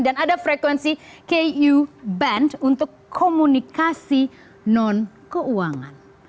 dan ada frekuensi k u band untuk komunikasi non keuangan